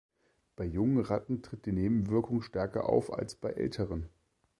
Bei jungen Ratten tritt die Nebenwirkung stärker auf als bei älteren.